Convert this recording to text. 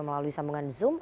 melalui sambungan zoom